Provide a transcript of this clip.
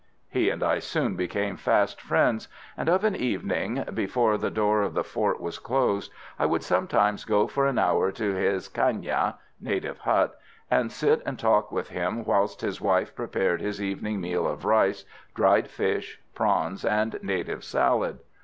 He and I soon became fast friends, and of an evening, before the door of the fort was closed, I would sometimes go for an hour to his caigna (native hut), and sit and talk with him whilst his wife prepared his evening meal of rice, dried fish, prawns and native salad.